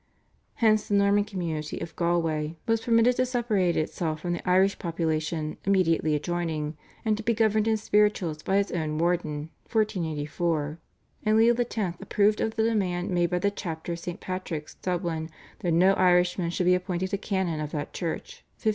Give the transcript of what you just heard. Hence the Norman community of Galway was permitted to separate itself from the Irish population immediately adjoining, and to be governed in spirituals by its own warden (1484); and Leo X. approved of the demand made by the chapter of St. Patrick's, Dublin, that no Irishman should be appointed a canon of that church (1515).